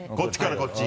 こっちね。